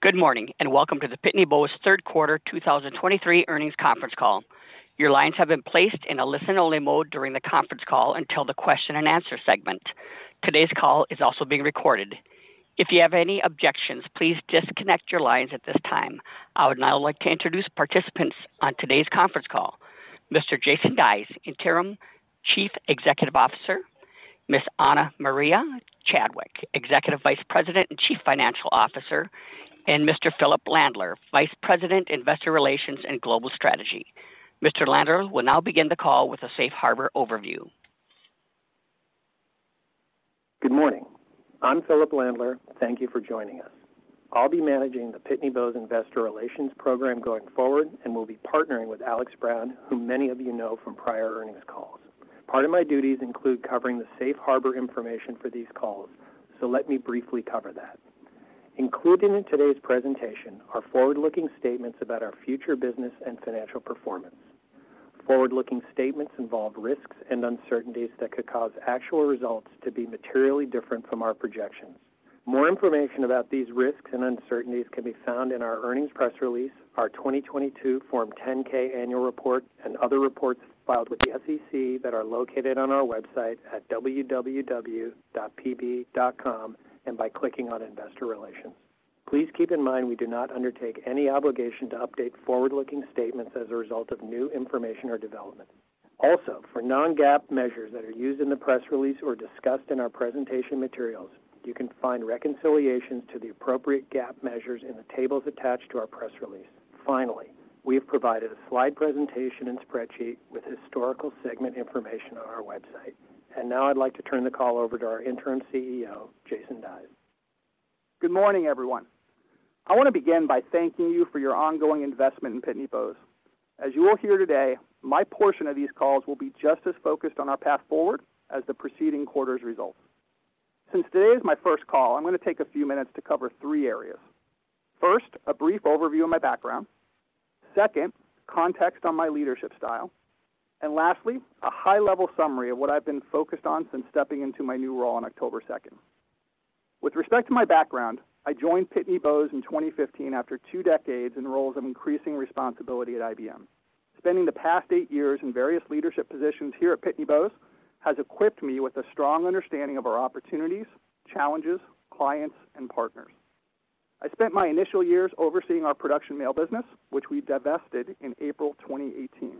Good morning, and welcome to the Pitney Bowes Third Quarter 2023 Earnings Conference Call. Your lines have been placed in a listen-only mode during the conference call until the question and answer segment. Today's call is also being recorded. If you have any objections, please disconnect your lines at this time. I would now like to introduce participants on today's conference call: Mr. Jason Dies, Interim Chief Executive Officer; Ms. Ana Maria Chadwick, Executive Vice President and Chief Financial Officer; and Mr. Philip Landler, Vice President, Investor Relations and Global Strategy. Mr. Landler will now begin the call with a safe harbor overview. Good morning. I'm Philip Landler. Thank you for joining us. I'll be managing the Pitney Bowes Investor Relations program going forward and will be partnering with Alex Brown, whom many of you know from prior earnings calls. Part of my duties include covering the safe harbor information for these calls, so let me briefly cover that. Included in today's presentation are forward-looking statements about our future business and financial performance. Forward-looking statements involve risks and uncertainties that could cause actual results to be materially different from our projections. More information about these risks and uncertainties can be found in our earnings press release, our 2022 Form 10-K Annual Report, and other reports filed with the SEC that are located on our website at www.pb.com, and by clicking on Investor Relations. Please keep in mind, we do not undertake any obligation to update forward-looking statements as a result of new information or development. Also, for non-GAAP measures that are used in the press release or discussed in our presentation materials, you can find reconciliations to the appropriate GAAP measures in the tables attached to our press release. Finally, we have provided a slide presentation and spreadsheet with historical segment information on our website. Now I'd like to turn the call over to our Interim CEO, Jason Dies. Good morning, everyone. I want to begin by thanking you for your ongoing investment in Pitney Bowes. As you will hear today, my portion of these calls will be just as focused on our path forward as the preceding quarter's results. Since today is my first call, I'm going to take a few minutes to cover three areas. First, a brief overview of my background, second, context on my leadership style, and lastly, a high-level summary of what I've been focused on since stepping into my new role on October second. With respect to my background, I joined Pitney Bowes in 2015 after two decades in roles of increasing responsibility at IBM. Spending the past eight years in various leadership positions here at Pitney Bowes has equipped me with a strong understanding of our opportunities, challenges, clients, and partners. I spent my initial years overseeing our production mail business, which we divested in April 2018.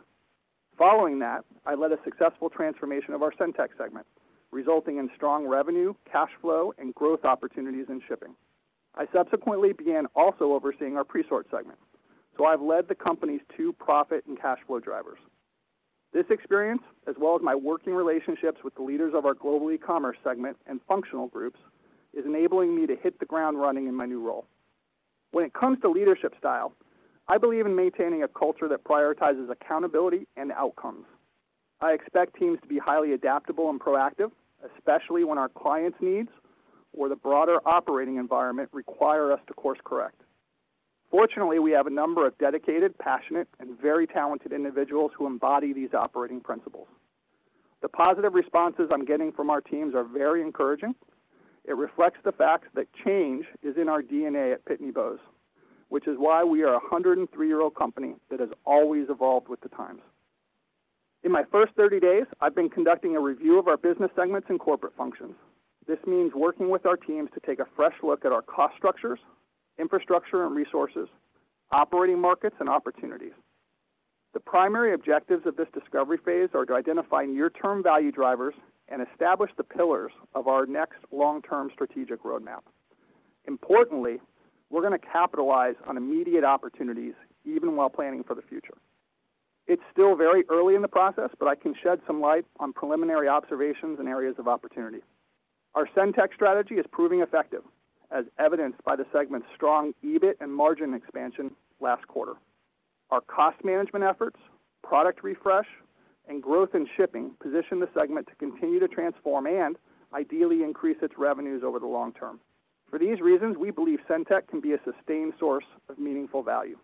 Following that, I led a successful transformation of our SendTech segment, resulting in strong revenue, cash flow, and growth opportunities in shipping. I subsequently began also overseeing our Presort segment, so I've led the company's two profit and cash flow drivers. This experience, as well as my working relationships with the leaders of our Global Ecommerce segment and functional groups, is enabling me to hit the ground running in my new role. When it comes to leadership style, I believe in maintaining a culture that prioritizes accountability and outcomes. I expect teams to be highly adaptable and proactive, especially when our clients' needs or the broader operating environment require us to course correct. Fortunately, we have a number of dedicated, passionate, and very talented individuals who embody these operating principles. The positive responses I'm getting from our teams are very encouraging. It reflects the fact that change is in our DNA at Pitney Bowes, which is why we are a 103-year-old company that has always evolved with the times. In my first 30 days, I've been conducting a review of our business segments and corporate functions. This means working with our teams to take a fresh look at our cost structures, infrastructure and resources, operating markets, and opportunities. The primary objectives of this discovery phase are to identify near-term value drivers and establish the pillars of our next long-term strategic roadmap. Importantly, we're going to capitalize on immediate opportunities even while planning for the future. It's still very early in the process, but I can shed some light on preliminary observations and areas of opportunity. Our SendTech strategy is proving effective, as evidenced by the segment's strong EBIT and margin expansion last quarter. Our cost management efforts, product refresh, and growth in shipping position the segment to continue to transform and ideally increase its revenues over the long term. For these reasons, we believe SendTech can be a sustained source of meaningful value.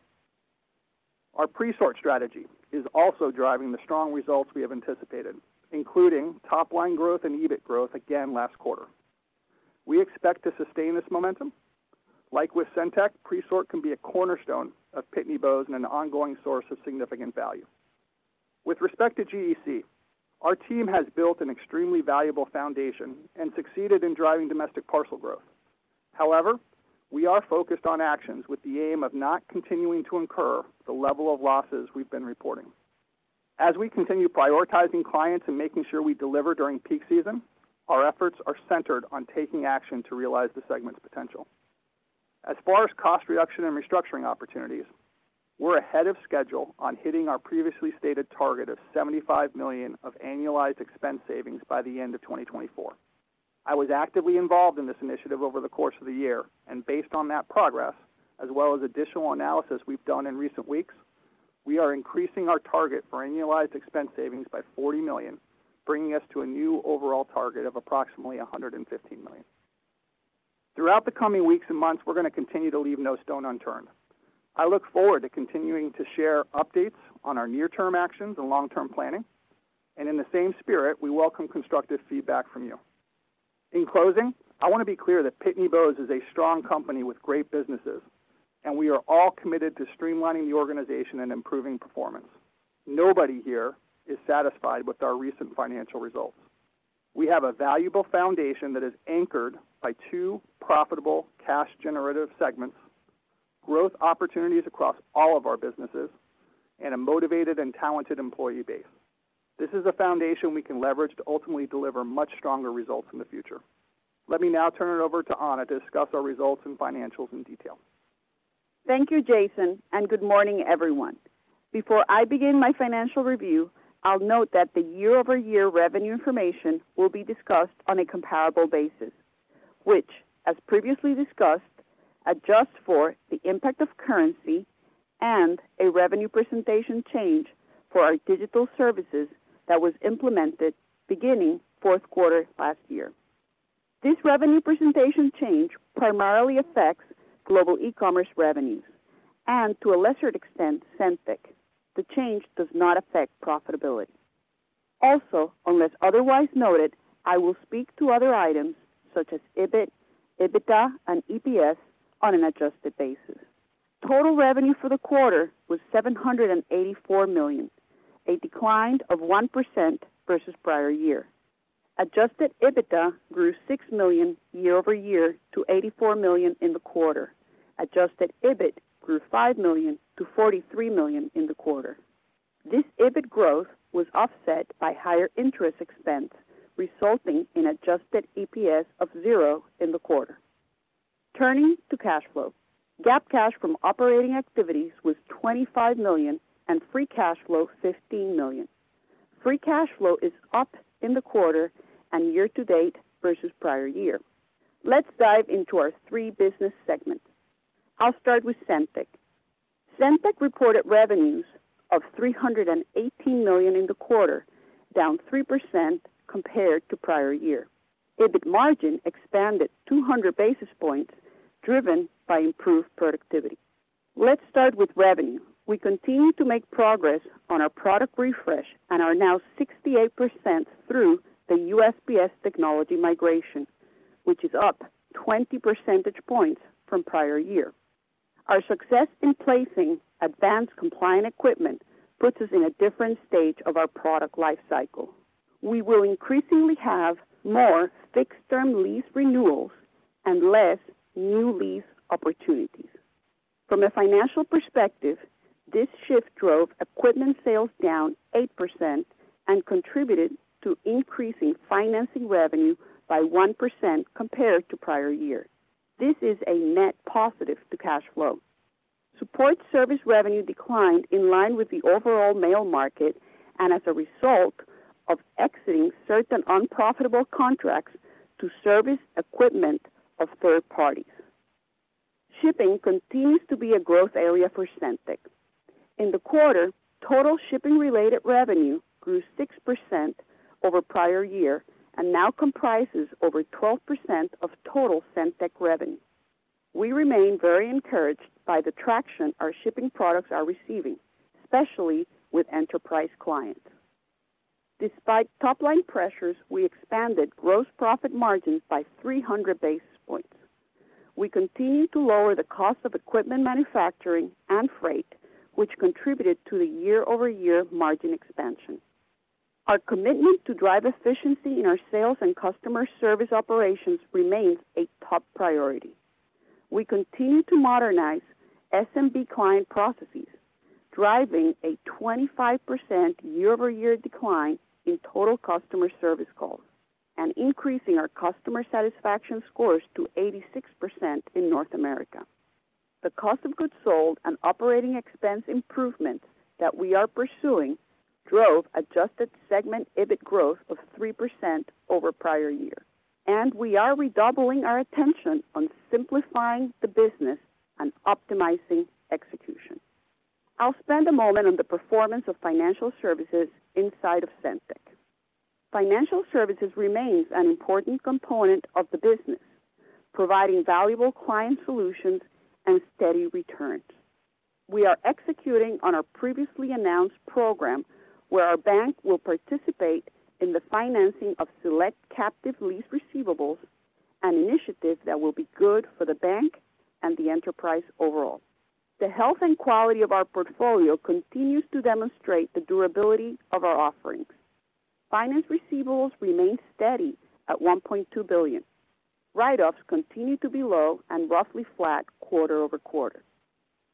Our Presort strategy is also driving the strong results we have anticipated, including top-line growth and EBIT growth again last quarter. We expect to sustain this momentum. Like with SendTech, Presort can be a cornerstone of Pitney Bowes and an ongoing source of significant value. With respect to GEC, our team has built an extremely valuable foundation and succeeded in driving domestic parcel growth. However, we are focused on actions with the aim of not continuing to incur the level of losses we've been reporting. As we continue prioritizing clients and making sure we deliver during peak season, our efforts are centered on taking action to realize the segment's potential. As far as cost reduction and restructuring opportunities, we're ahead of schedule on hitting our previously stated target of $75 million of annualized expense savings by the end of 2024. I was actively involved in this initiative over the course of the year, and based on that progress, as well as additional analysis we've done in recent weeks, we are increasing our target for annualized expense savings by $40 million, bringing us to a new overall target of approximately $150 million. Throughout the coming weeks and months, we're going to continue to leave no stone unturned. I look forward to continuing to share updates on our near-term actions and long-term planning. In the same spirit, we welcome constructive feedback from you. In closing, I want to be clear that Pitney Bowes is a strong company with great businesses, and we are all committed to streamlining the organization and improving performance. Nobody here is satisfied with our recent financial results. We have a valuable foundation that is anchored by two profitable cash generative segments, growth opportunities across all of our businesses, and a motivated and talented employee base. This is a foundation we can leverage to ultimately deliver much stronger results in the future. Let me now turn it over to Ana to discuss our results and financials in detail. Thank you, Jason, and good morning, everyone. Before I begin my financial review, I'll note that the year-over-year revenue information will be discussed on a comparable basis, which, as previously discussed, adjusts for the impact of currency and a revenue presentation change for our digital services that was implemented beginning Fourth Quarter last year. This revenue presentation change primarily affects Global Ecommerce revenues and to a lesser extent, SendTech. The change does not affect profitability. Also, unless otherwise noted, I will speak to other items such as EBIT, EBITDA, and EPS on an adjusted basis. Total revenue for the quarter was $784 million, a decline of 1% versus prior year. Adjusted EBITDA grew $6 million year-over-year to $84 million in the quarter. Adjusted EBIT grew $5 million to $43 million in the quarter. This EBIT growth was offset by higher interest expense, resulting in adjusted EPS of zero in the quarter. Turning to cash flow. GAAP cash from operating activities was $25 million, and free cash flow, $15 million. Free cash flow is up in the quarter and year-to-date versus prior year. Let's dive into our three business segments. I'll start with SendTech. SendTech reported revenues of $318 million in the quarter, down 3% compared to prior year. EBIT margin expanded 200 basis points, driven by improved productivity. Let's start with revenue. We continue to make progress on our product refresh and are now 68% through the USPS technology migration, which is up 20 percentage points from prior year. Our success in placing advanced compliant equipment puts us in a different stage of our product life cycle. We will increasingly have more fixed term lease renewals and less new lease opportunities. From a financial perspective, this shift drove equipment sales down 8% and contributed to increasing financing revenue by 1% compared to prior year. This is a net positive to cash flow. Support service revenue declined in line with the overall mail market and as a result of exiting certain unprofitable contracts to service equipment of third parties. Shipping continues to be a growth area for SendTech. In the quarter, total shipping-related revenue grew 6% over prior year and now comprises over 12% of total SendTech revenue. We remain very encouraged by the traction our shipping products are receiving, especially with enterprise clients. Despite top-line pressures, we expanded gross profit margin by 300 basis points. We continue to lower the cost of equipment manufacturing and freight, which contributed to the year-over-year margin expansion. Our commitment to drive efficiency in our sales and customer service operations remains a top priority. We continue to modernize SMB client processes, driving a 25% year-over-year decline in total customer service calls and increasing our customer satisfaction scores to 86% in North America. The cost of goods sold and operating expense improvements that we are pursuing drove adjusted segment EBIT growth of 3% over prior year, and we are redoubling our attention on simplifying the business and optimizing execution. I'll spend a moment on the performance of financial services inside of SendTech. Financial services remains an important component of the business, providing valuable client solutions and steady returns. We are executing on our previously announced program, where our bank will participate in the financing of select captive lease receivables, an initiative that will be good for the bank and the enterprise overall. The health and quality of our portfolio continues to demonstrate the durability of our offerings. Finance receivables remain steady at $1.2 billion. Write-offs continue to be low and roughly flat quarter-over-quarter.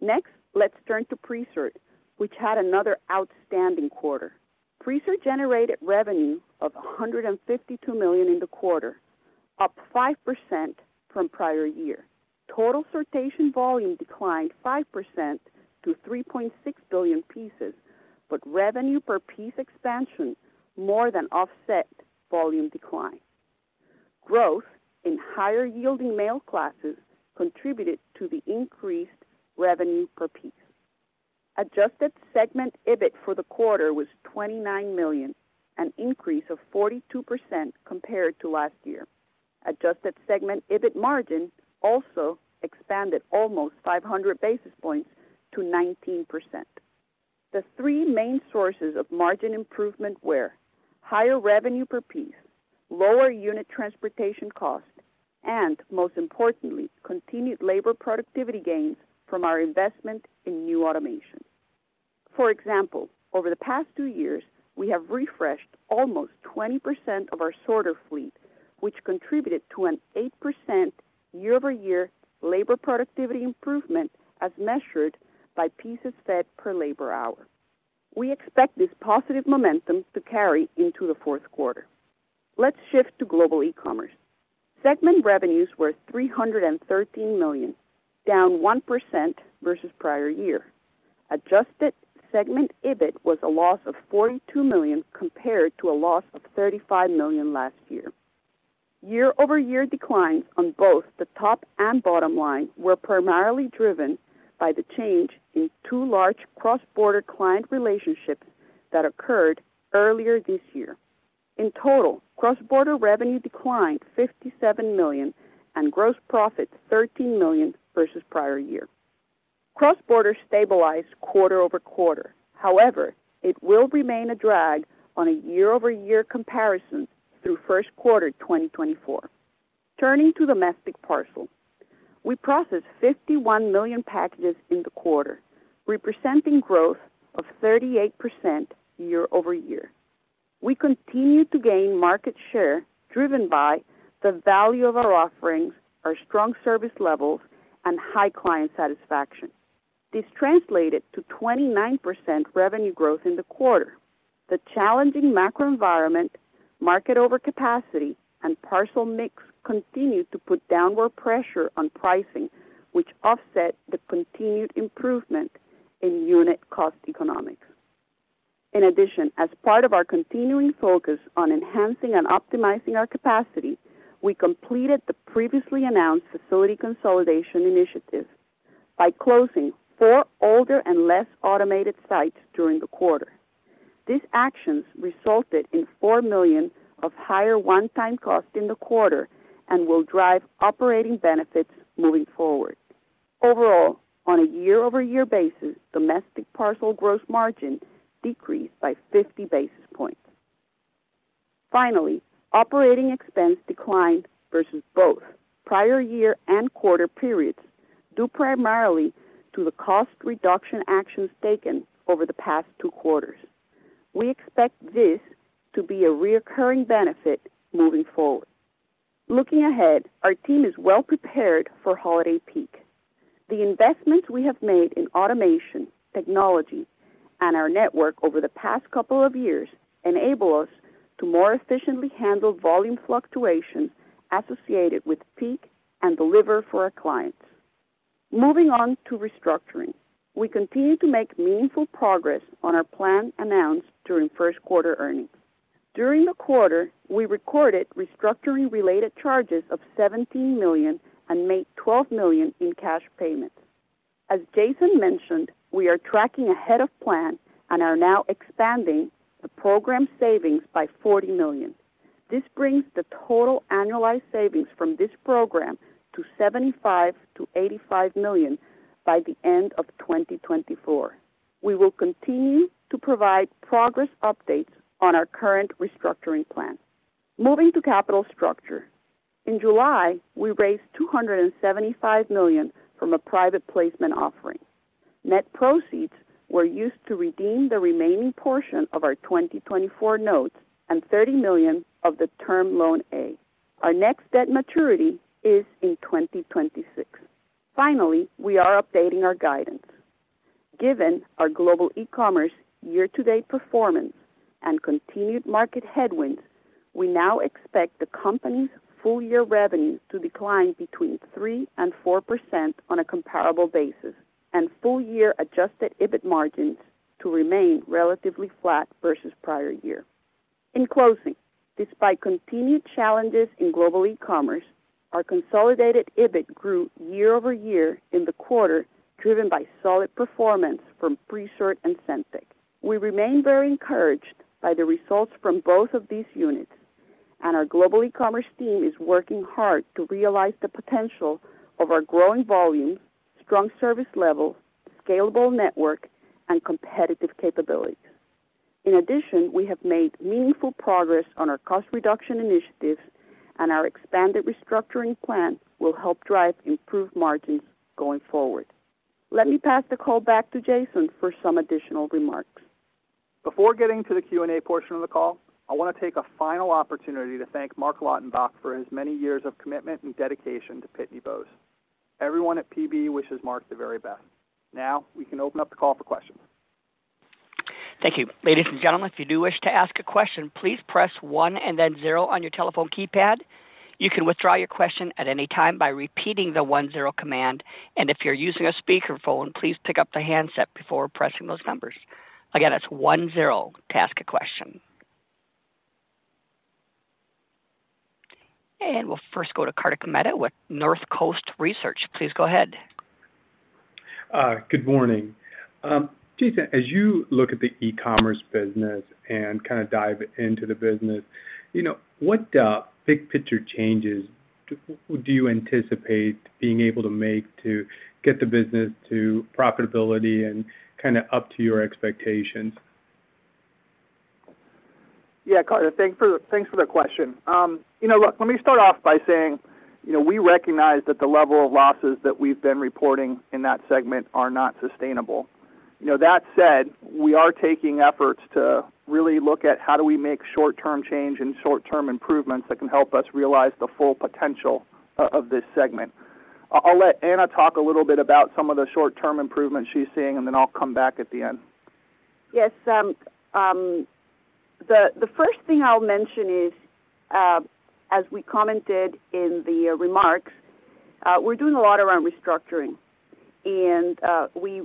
Next, let's turn to Presort, which had another outstanding quarter. Presort generated revenue of $152 million in the quarter, up 5% from prior year. Total sortation volume declined 5% to 3.6 billion pieces, but revenue per piece expansion more than offset volume decline. Growth in higher-yielding mail classes contributed to the increased revenue per piece. Adjusted segment EBIT for the quarter was $29 million, an increase of 42% compared to last year. Adjusted segment EBIT margin also expanded almost 500 basis points to 19%. The three main sources of margin improvement were: higher revenue per piece, lower unit transportation cost, and most importantly, continued labor productivity gains from our investment in new automation. For example, over the past two years, we have refreshed almost 20% of our sorter fleet, which contributed to an 8% year-over-year labor productivity improvement as measured by pieces fed per labor hour. We expect this positive momentum to carry into the Fourth Quarter. Let's shift to Global Ecommerce. Segment revenues were $313 million, down 1% versus prior year. Adjusted segment EBIT was a loss of $42 million, compared to a loss of $35 million last year. Year-over-year declines on both the top and bottom line were primarily driven by the change in two large cross-border client relationships that occurred earlier this year. In total, cross-border revenue declined $57 million and gross profit, $13 million versus prior year. Cross-border stabilized quarter-over-quarter. However, it will remain a drag on a year-over-year comparison through First Quarter 2024. Turning to domestic parcel. We processed 51 million packages in the quarter, representing growth of 38% year-over-year. We continue to gain market share, driven by the value of our offerings, our strong service levels, and high client satisfaction. This translated to 29% revenue growth in the quarter. The challenging macro environment, market overcapacity, and parcel mix continued to put downward pressure on pricing, which offset the continued improvement in unit cost economics. In addition, as part of our continuing focus on enhancing and optimizing our capacity, we completed the previously announced facility consolidation initiative by closing four older and less automated sites during the quarter. These actions resulted in $4 million of higher one-time costs in the quarter and will drive operating benefits moving forward. Overall, on a year-over-year basis, domestic parcel gross margin decreased by 50 basis points. Finally, operating expense declined versus both prior year and quarter periods, due primarily to the cost reduction actions taken over the past 2 quarters. We expect this to be a recurring benefit moving forward. Looking ahead, our team is well prepared for holiday peak. The investments we have made in automation, technology, and our network over the past couple of years enable us to more efficiently handle volume fluctuations associated with peak and deliver for our clients. Moving on to restructuring. We continue to make meaningful progress on our plan announced during First Quarter earnings. During the quarter, we recorded restructuring-related charges of $17 million and made $12 million in cash payments. As Jason mentioned, we are tracking ahead of plan and are now expanding the program savings by $40 million. This brings the total annualized savings from this program to $75 million-$85 million by the end of 2024. We will continue to provide progress updates on our current restructuring plan. Moving to capital structure. In July, we raised $275 million from a private placement offering. Net proceeds were used to redeem the remaining portion of our 2024 notes and $30 million of the Term Loan A. Our next debt maturity is in 2026. Finally, we are updating our guidance. Given our Global Ecommerce year-to-date performance and continued market headwinds, we now expect the company's full-year revenue to decline between 3% and 4% on a comparable basis, and full-year Adjusted EBIT margins to remain relatively flat versus prior year. In closing, despite continued challenges in Global Ecommerce, our consolidated EBIT grew year-over-year in the quarter, driven by solid performance from Presort and SendTech. We remain very encouraged by the results from both of these units, and our Global Ecommerce team is working hard to realize the potential of our growing volume, strong service level, scalable network, and competitive capabilities. In addition, we have made meaningful progress on our cost reduction initiatives, and our expanded restructuring plan will help drive improved margins going forward. Let me pass the call back to Jason for some additional remarks. Before getting to the Q&A portion of the call, I want to take a final opportunity to thank Marc Lautenbach for his many years of commitment and dedication to Pitney Bowes. Everyone at PB wishes Marc the very best. Now we can open up the call for questions. Thank you. Ladies and gentlemen, if you do wish to ask a question, please press one and then zero on your telephone keypad. You can withdraw your question at any time by repeating the one-zero command, and if you're using a speakerphone, please pick up the handset before pressing those numbers. Again, that's one zero to ask a question. And we'll first go to Kartik Mehta with Northcoast Research. Please go ahead. Good morning. Jason, as you look at the e-commerce business and kind of dive into the business, you know, what big picture changes do you anticipate being able to make to get the business to profitability and kind of up to your expectations? Yeah, Kartik, thanks for, thanks for the question. You know, look, let me start off by saying, you know, we recognize that the level of losses that we've been reporting in that segment are not sustainable. You know, that said, we are taking efforts to really look at how do we make short-term change and short-term improvements that can help us realize the full potential of this segment. I'll let Ana talk a little bit about some of the short-term improvements she's seeing, and then I'll come back at the end. Yes, the first thing I'll mention is, as we commented in the remarks, we're doing a lot around restructuring. We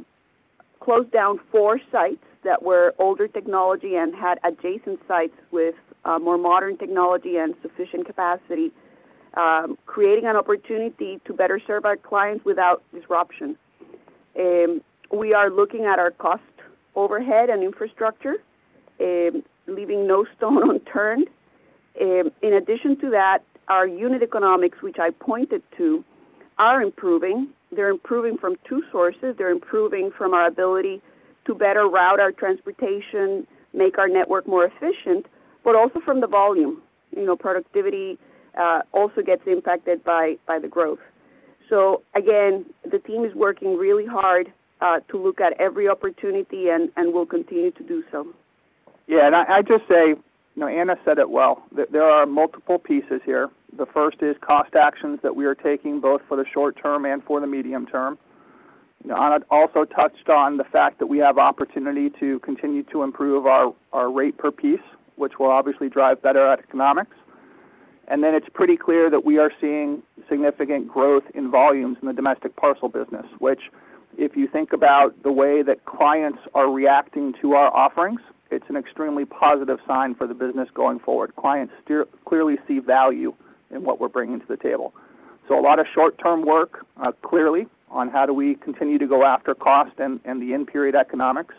closed down four sites that were older technology and had adjacent sites with more modern technology and sufficient capacity, creating an opportunity to better serve our clients without disruption. We are looking at our cost, overhead, and infrastructure, leaving no stone unturned. In addition to that, our unit economics, which I pointed to, are improving. They're improving from two sources. They're improving from our ability to better route our transportation, make our network more efficient, but also from the volume. You know, productivity also gets impacted by the growth. So again, the team is working really hard to look at every opportunity and will continue to do so. Yeah, and I'd just say, you know, Ana said it well, that there are multiple pieces here. The first is cost actions that we are taking, both for the short term and for the medium term. You know, Ana also touched on the fact that we have opportunity to continue to improve our rate per piece, which will obviously drive better economics. And then it's pretty clear that we are seeing significant growth in volumes in the domestic parcel business, which, if you think about the way that clients are reacting to our offerings, it's an extremely positive sign for the business going forward. Clients clearly see value in what we're bringing to the table. So a lot of short-term work, clearly on how do we continue to go after cost and the in-period economics.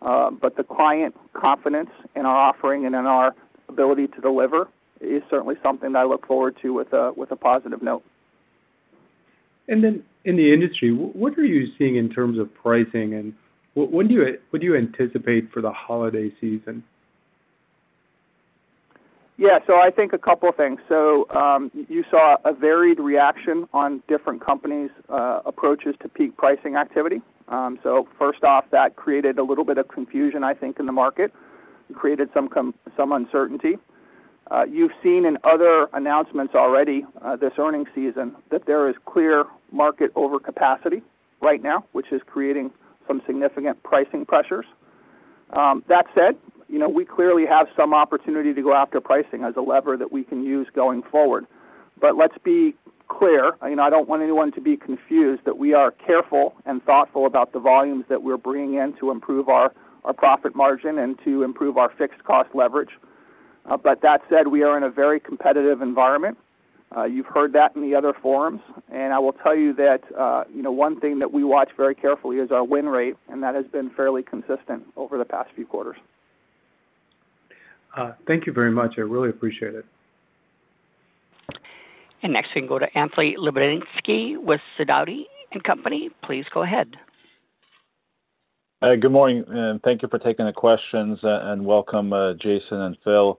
But the client confidence in our offering and in our ability to deliver is certainly something that I look forward to with a positive note. Then in the industry, what are you seeing in terms of pricing, and what do you anticipate for the holiday season? Yeah, so I think a couple things. So, you saw a varied reaction on different companies' approaches to peak pricing activity. So first off, that created a little bit of confusion, I think, in the market and created some uncertainty. You've seen in other announcements already, this earnings season, that there is clear market overcapacity right now, which is creating some significant pricing pressures. That said, you know, we clearly have some opportunity to go after pricing as a lever that we can use going forward. But let's be clear, you know, I don't want anyone to be confused that we are careful and thoughtful about the volumes that we're bringing in to improve our profit margin and to improve our fixed cost leverage. But that said, we are in a very competitive environment. You’ve heard that in the other forums, and I will tell you that, you know, one thing that we watch very carefully is our win rate, and that has been fairly consistent over the past few quarters. Thank you very much. I really appreciate it. Next, we can go to Anthony Lebiedzinski with Sidoti & Company. Please go ahead. Good morning, and thank you for taking the questions, and welcome Jason and Phil.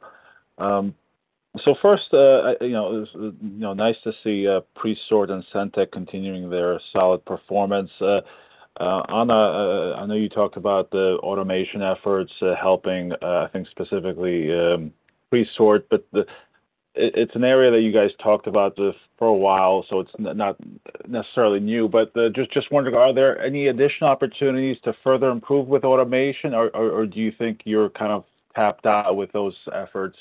So first, you know, it was, you know, nice to see Presort and SendTech continuing their solid performance. Ana, I know you talked about the automation efforts helping, I think specifically Presort, but it's an area that you guys talked about this for a while, so it's not necessarily new. But just wondering, are there any additional opportunities to further improve with automation, or do you think you're kind of tapped out with those efforts?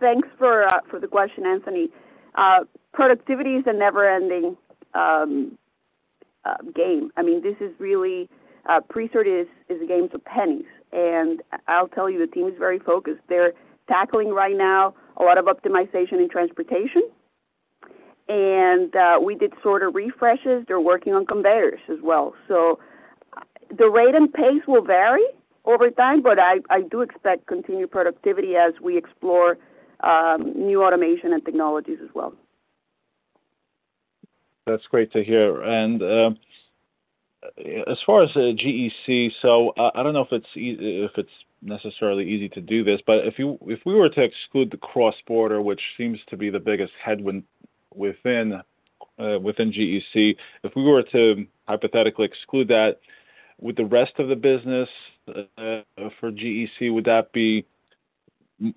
Thanks for the question, Anthony. Productivity is a never-ending game. I mean, this is really Presort is a game of pennies, and I'll tell you, the team is very focused. They're tackling right now a lot of optimization in transportation, and we did sort of refreshes. They're working on conveyors as well. So the rate and pace will vary over time, but I do expect continued productivity as we explore new automation and technologies as well. That's great to hear. And, as far as GEC, so I don't know if it's necessarily easy to do this, but if we were to exclude the cross-border, which seems to be the biggest headwind within, within GEC, if we were to hypothetically exclude that, would the rest of the business, for GEC, would that be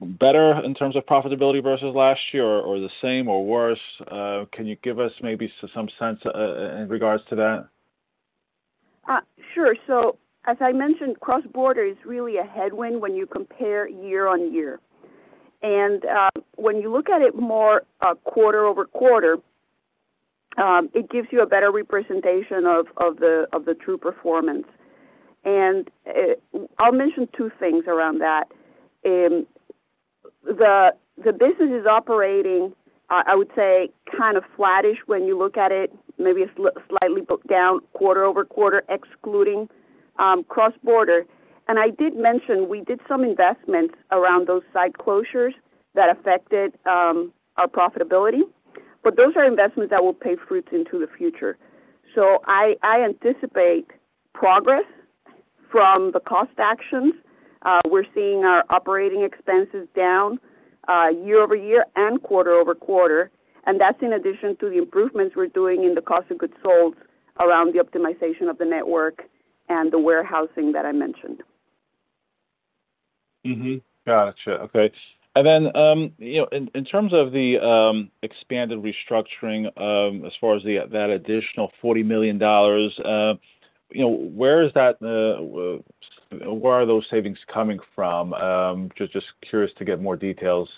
better in terms of profitability versus last year, or the same, or worse? Can you give us maybe some sense, in regards to that? Sure. So as I mentioned, cross-border is really a headwind when you compare year-on-year. And, when you look at it more, quarter-over-quarter, it gives you a better representation of the true performance. And, I'll mention two things around that. The business is operating. I would say, kind of flattish when you look at it, maybe it's slightly down quarter-over-quarter, excluding cross-border. And I did mention we did some investments around those site closures that affected our profitability, but those are investments that will pay fruits into the future. So I anticipate progress from the cost actions. We're seeing our operating expenses down year-over-year and quarter-over-quarter, and that's in addition to the improvements we're doing in the cost of goods sold around the optimization of the network and the warehousing that I mentioned. Okay. And then, you know, in terms of the expanded restructuring, as far as that additional $40 million, you know, where is that, where are those savings coming from? Just curious to get more details.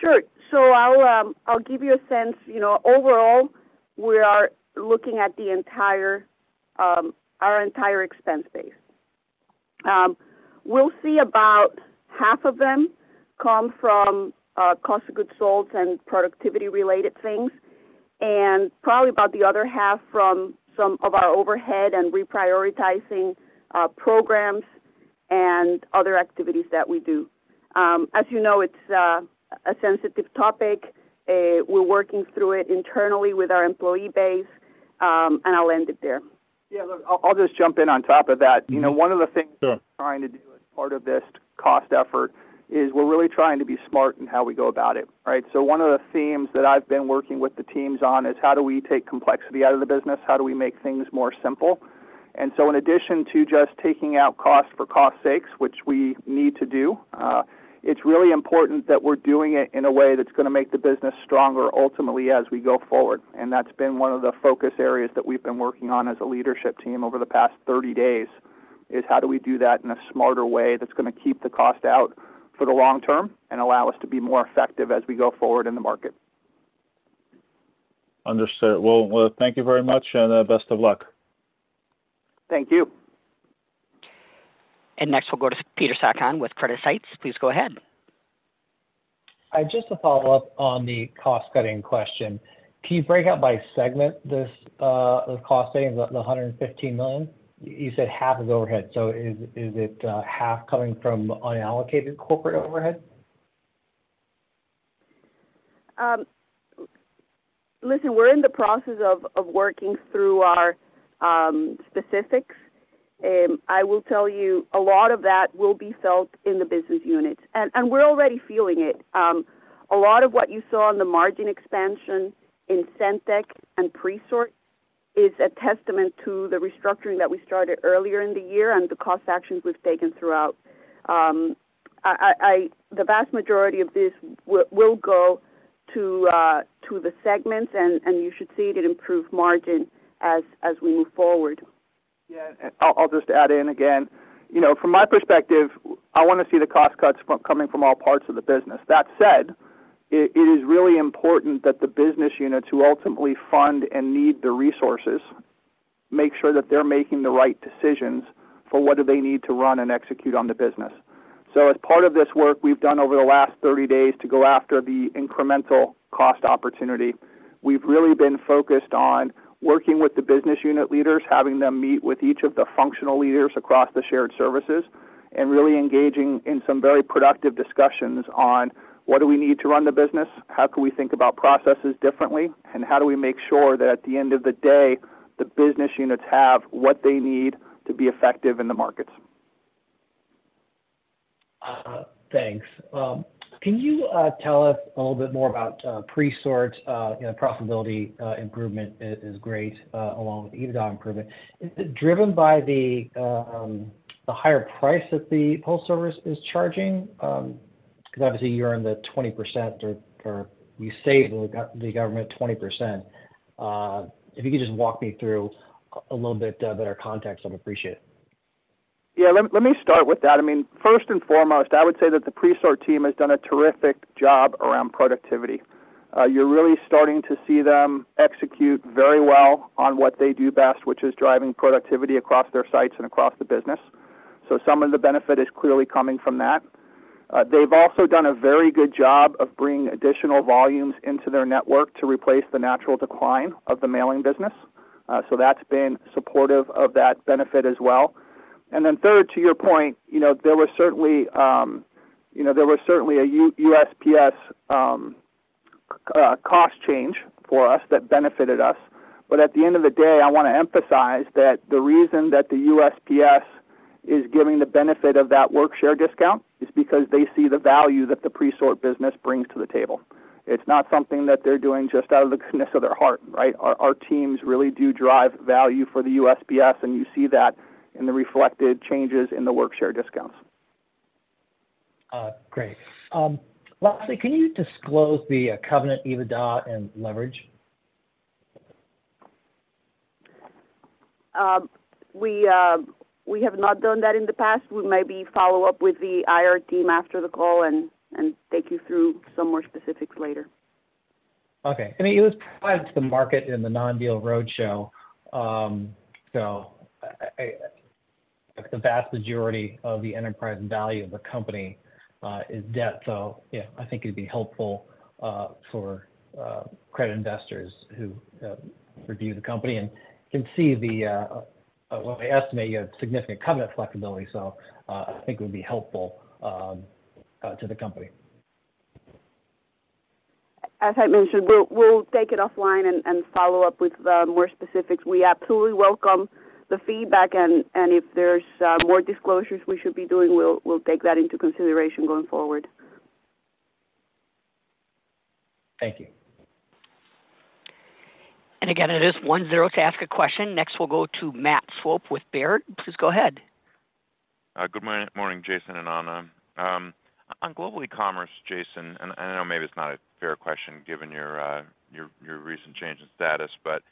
Sure. So I'll, I'll give you a sense. You know, overall, we are looking at the entire, our entire expense base. We'll see about half of them come from, cost of goods sold and productivity-related things, and probably about the other half from some of our overhead and reprioritizing, programs and other activities that we do. As you know, it's, a sensitive topic. We're working through it internally with our employee base, and I'll end it there. Yeah, look, I'll just jump in on top of that. Sure. You know, one of the things we're trying to do as part of this cost effort is we're really trying to be smart in how we go about it, right? So one of the themes that I've been working with the teams on is how do we take complexity out of the business? How do we make things more simple? And so in addition to just taking out cost for cost's sake, which we need to do, it's really important that we're doing it in a way that's gonna make the business stronger, ultimately, as we go forward. That's been one of the focus areas that we've been working on as a leadership team over the past 30 days, is how do we do that in a smarter way that's gonna keep the cost out for the long term and allow us to be more effective as we go forward in the market? Understood. Well, thank you very much, and best of luck. Thank you. Next, we'll go to Peter Sakon with CreditSights. Please go ahead. Just to follow up on the cost-cutting question, can you break out by segment this, the cost savings, the $115 million? You said half is overhead, so is, is it, half coming from unallocated corporate overhead? Listen, we're in the process of working through our specifics. I will tell you a lot of that will be felt in the business units, and we're already feeling it. A lot of what you saw on the margin expansion in Centek and Presort is a testament to the restructuring that we started earlier in the year and the cost actions we've taken throughout. The vast majority of this will go to the segments, and you should see it improve margin as we move forward. Yeah, I'll just add in again. You know, from my perspective, I want to see the cost cuts coming from all parts of the business. That said, it is really important that the business units who ultimately fund and need the resources make sure that they're making the right decisions for what do they need to run and execute on the business. So as part of this work we've done over the last 30 days to go after the incremental cost opportunity, we've really been focused on working with the business unit leaders, having them meet with each of the functional leaders across the shared services, and really engaging in some very productive discussions on: What do we need to run the business? How can we think about processes differently? How do we make sure that at the end of the day, the business units have what they need to be effective in the markets? Thanks. Can you tell us a little bit more about Presort? You know, profitability improvement is great along with EBITDA improvement. Is it driven by the higher price that the Postal Service is charging? Because obviously you're in the 20% or you saved the government 20%. If you could just walk me through a little bit better context, I'd appreciate it. Yeah, let me start with that. I mean, first and foremost, I would say that the Presort team has done a terrific job around productivity. You're really starting to see them execute very well on what they do best, which is driving productivity across their sites and across the business. So some of the benefit is clearly coming from that. They've also done a very good job of bringing additional volumes into their network to replace the natural decline of the mailing business. So that's been supportive of that benefit as well. And then third, to your point, you know, there was certainly a USPS cost change for us that benefited us. But at the end of the day, I want to emphasize that the reason that the USPS is giving the benefit of that workshare discount is because they see the value that the Presort business brings to the table. It's not something that they're doing just out of the kindness of their heart, right? Our teams really do drive value for the USPS, and you see that in the reflected changes in the workshare discounts. Great. Lastly, can you disclose the covenant, EBITDA, and leverage? We have not done that in the past. We maybe follow up with the IR team after the call and take you through some more specifics later. Okay. I mean, you described the market in the non-deal roadshow. So, like, the vast majority of the enterprise value of the company is debt. So yeah, I think it'd be helpful for credit investors who review the company and can see the, well, I estimate you have significant covenant flexibility, so I think it would be helpful to the company. As I mentioned, we'll take it offline and follow up with more specifics. We absolutely welcome the feedback, and if there's more disclosures we should be doing, we'll take that into consideration going forward. Thank you. And again, it is one zero to ask a question. Next, we'll go to Matt Swope with Baird. Please go ahead. Good morning, Jason and Ana. On Global Ecommerce, Jason, and I know maybe it's not a fair question, given your recent change in status, but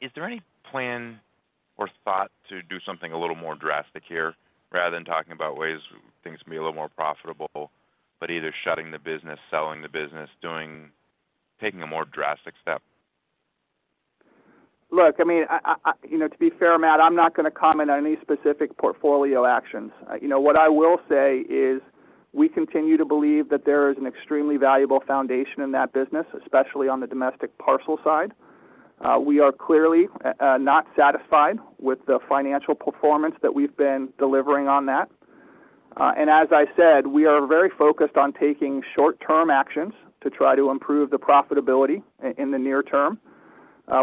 is there any plan or thought to do something a little more drastic here, rather than talking about ways things can be a little more profitable, but either shutting the business, selling the business, taking a more drastic step? Look, I mean, you know, to be fair, Matt, I'm not gonna comment on any specific portfolio actions. You know, what I will say is, we continue to believe that there is an extremely valuable foundation in that business, especially on the domestic parcel side. We are clearly not satisfied with the financial performance that we've been delivering on that. And as I said, we are very focused on taking short-term actions to try to improve the profitability in the near term.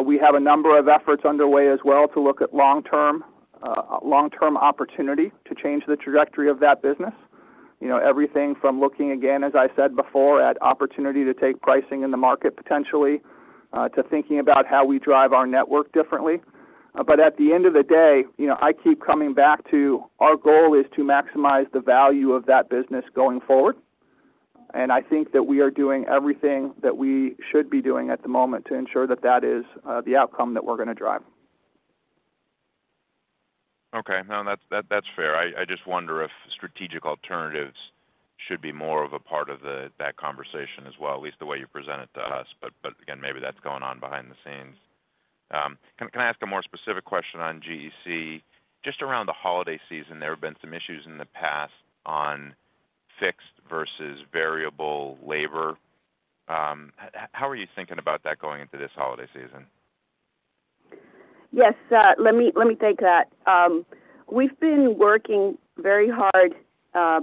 We have a number of efforts underway as well, to look at long-term opportunity to change the trajectory of that business. You know, everything from looking, again, as I said before, at opportunity to take pricing in the market potentially, to thinking about how we drive our network differently. At the end of the day, you know, I keep coming back to our goal is to maximize the value of that business going forward. I think that we are doing everything that we should be doing at the moment to ensure that that is the outcome that we're gonna drive. Okay. No, that's fair. I just wonder if strategic alternatives should be more of a part of that conversation as well, at least the way you present it to us. But again, maybe that's going on behind the scenes. Can I ask a more specific question on GEC? Just around the holiday season, there have been some issues in the past on fixed versus variable labor. How are you thinking about that going into this holiday season? Yes, let me, let me take that. We've been working very hard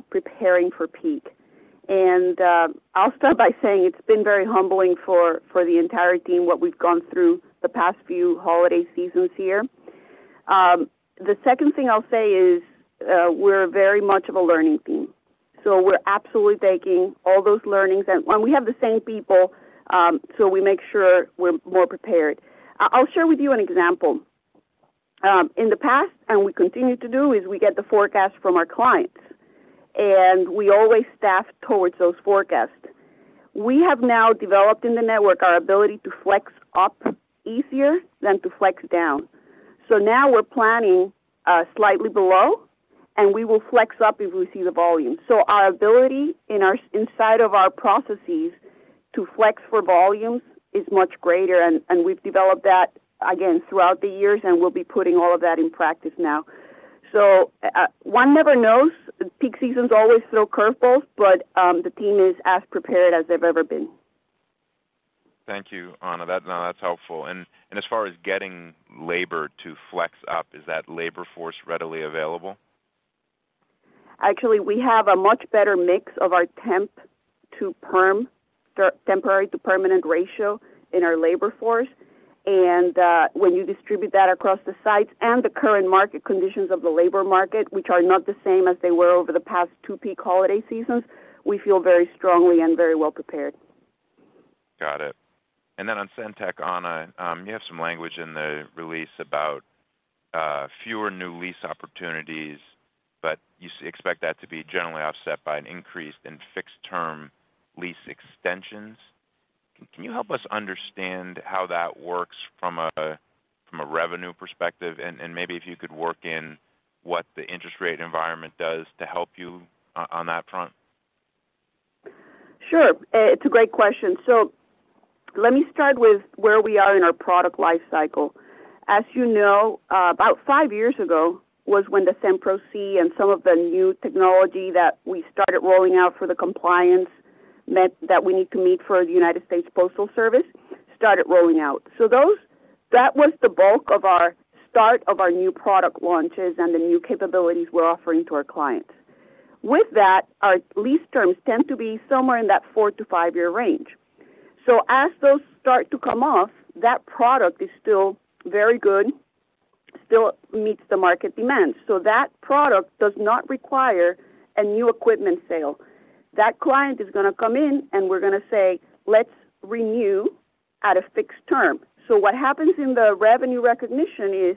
preparing for peak. I'll start by saying it's been very humbling for the entire team, what we've gone through the past few holiday seasons here. The second thing I'll say is, we're very much of a learning team, so we're absolutely taking all those learnings. And we have the same people, so we make sure we're more prepared. I'll share with you an example. In the past, and we continue to do, is we get the forecast from our clients, and we always staff towards those forecasts. We have now developed in the network our ability to flex up easier than to flex down. So now we're planning slightly below, and we will flex up if we see the volume. So our ability in our, inside of our processes to flex for volume is much greater, and, and we've developed that, again, throughout the years, and we'll be putting all of that in practice now. So, one never knows. Peak season's always throw curveballs, but, the team is as prepared as they've ever been. Thank you, Ana. That, now, that's helpful. And as far as getting labor to flex up, is that labor force readily available? Actually, we have a much better mix of our temp to perm, temporary to permanent ratio in our labor force. And, when you distribute that across the sites and the current market conditions of the labor market, which are not the same as they were over the past two peak holiday seasons, we feel very strongly and very well prepared. Got it. And then on SendTech, Ana, you have some language in the release about fewer new lease opportunities, but you expect that to be generally offset by an increase in fixed-term lease extensions. Can you help us understand how that works from a revenue perspective? And maybe if you could work in what the interest rate environment does to help you on that front. Sure. It's a great question. So let me start with where we are in our product life cycle. As you know, about 5 years ago was when the SendPro C and some of the new technology that we started rolling out for the compliance that we need to meet for the United States Postal Service, started rolling out. So that was the bulk of our start of our new product launches and the new capabilities we're offering to our clients. With that, our lease terms tend to be somewhere in that 4- to 5-year range. So as those start to come off, that product is still very good, still meets the market demand. So that product does not require a new equipment sale. That client is gonna come in, and we're gonna say, "Let's renew at a fixed term." So what happens in the revenue recognition is,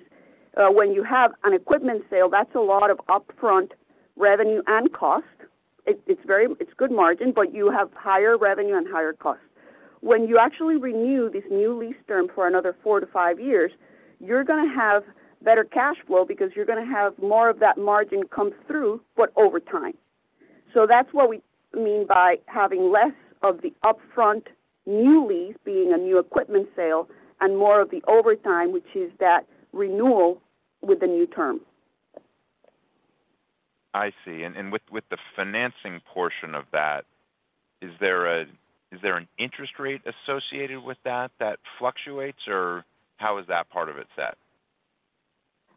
when you have an equipment sale, that's a lot of upfront revenue and cost. It's very—it's good margin, but you have higher revenue and higher cost. When you actually renew this new lease term for another 4-5 years, you're gonna have better cash flow because you're gonna have more of that margin come through, but over time. So that's what we mean by having less of the upfront new lease, being a new equipment sale, and more of the overtime, which is that renewal with the new term. I see. And with the financing portion of that, is there an interest rate associated with that that fluctuates or how is that part of it set?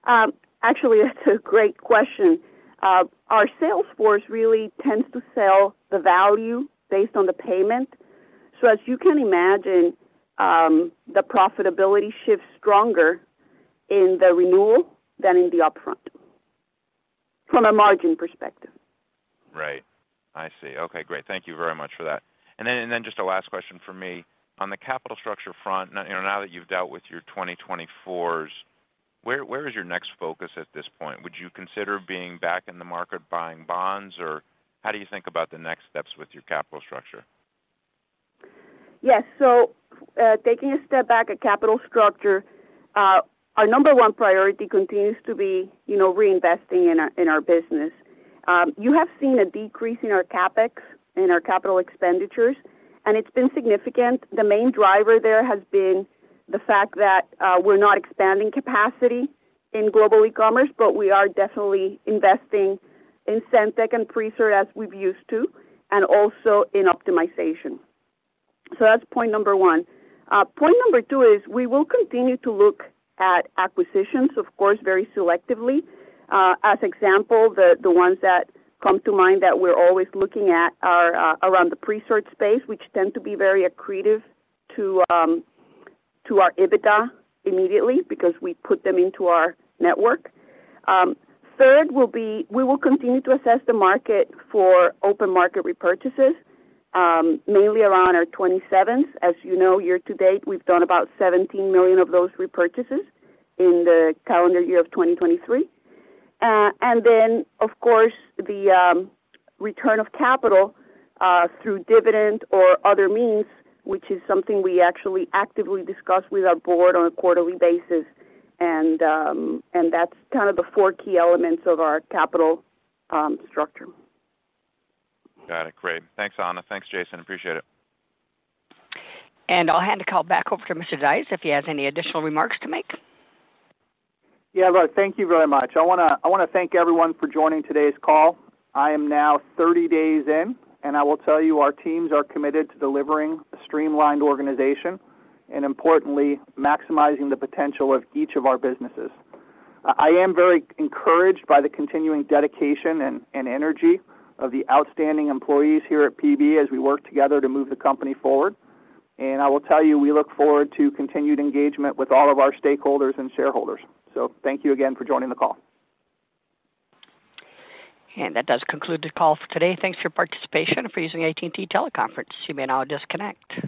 Actually, that's a great question. Our sales force really tends to sell the value based on the payment. So as you can imagine, the profitability shifts stronger in the renewal than in the upfront, from a margin perspective. Right. I see. Okay, great. Thank you very much for that. And then, and then just a last question from me. On the capital structure front, now, you know, now that you've dealt with your 2024s, where, where is your next focus at this point? Would you consider being back in the market buying bonds, or how do you think about the next steps with your capital structure? Yes. So, taking a step back at capital structure, our number one priority continues to be, you know, reinvesting in our, in our business. You have seen a decrease in our CapEx, in our capital expenditures, and it's been significant. The main driver there has been the fact that, we're not expanding capacity in Global Ecommerce, but we are definitely investing in SendTech and Presort, as we've used to, and also in optimization. So that's point number one. Point number two is we will continue to look at acquisitions, of course, very selectively. As example, the, the ones that come to mind that we're always looking at are, around the Presort space, which tend to be very accretive to, to our EBITDA immediately, because we put them into our network. Third, we will continue to assess the market for open market repurchases, mainly around our 2027s. As you know, year to date, we've done about $17 million of those repurchases in the calendar year of 2023. And then, of course, the return of capital through dividends or other means, which is something we actually actively discuss with our board on a quarterly basis. And that's kind of the four key elements of our capital structure. Got it. Great. Thanks, Ana. Thanks, Jason. Appreciate it. I'll hand the call back over to Mr. Dies, if he has any additional remarks to make. Yeah, look, thank you very much. I wanna, I wanna thank everyone for joining today's call. I am now 30 days in, and I will tell you, our teams are committed to delivering a streamlined organization and importantly, maximizing the potential of each of our businesses. I am very encouraged by the continuing dedication and, and energy of the outstanding employees here at PB as we work together to move the company forward. And I will tell you, we look forward to continued engagement with all of our stakeholders and shareholders. So thank you again for joining the call. That does conclude the call for today. Thanks for your participation and for using AT&T Teleconference. You may now disconnect.